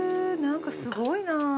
何かすごいな。